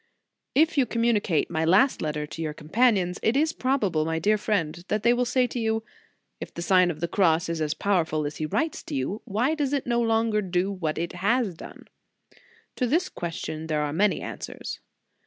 IF you communicate my last letter to your companions, it is probable, my dear friend that they will say to you: "If the Sign of the Cross is as powerful as he writes to you, why does it no longer do what it has done?" To this question there are many answers.